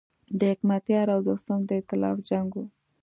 د حکمتیار او دوستم د ایتلاف جنګ و.